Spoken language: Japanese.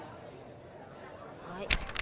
はい。